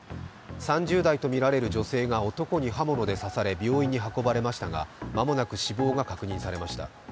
３０代とみられる女性が男に刃物で刺され病院に運ばれましたが、間もなく死亡が確認されました。